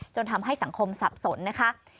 ทำให้สังคมสับสนนะคะ